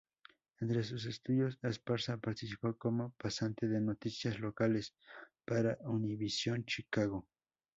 Entre sus estudios, Esparza participó como pasante de noticias locales para Univisión Chicago.